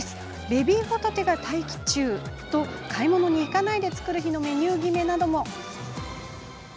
ベビーほたてが待機中」と買い物に行かないで作る日のメニュー決めなども。